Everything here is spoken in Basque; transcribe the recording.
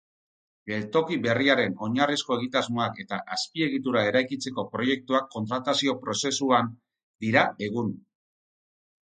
Geltoki berriaren oinarrizko egitasmoak eta azpiegitura eraikitzeko proiektuak kontratazio prozesuan dira egun.